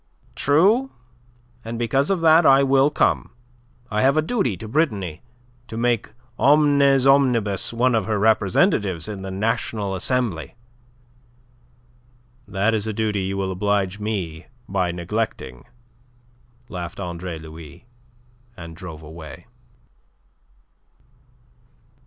"True! And because of that I will come. I have a duty to Brittany: to make Omnes Omnibus one of her representatives in the National Assembly." "That is a duty you will oblige me by neglecting," laughed Andre Louis, and drove away.